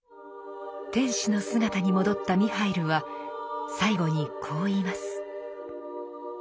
天使の姿に戻ったミハイルは最後にこう言います。